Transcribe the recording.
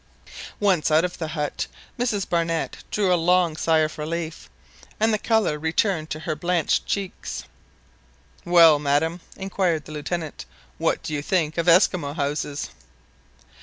Once out of the hut, Mrs Barnett drew a long sigh of relief, and the colour returned to her blanched cheeks. "Well, madam," inquired the Lieutenant, "what do you think of Esquimaux houses?"